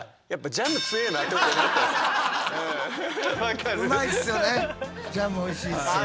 ジャムおいしいですよね。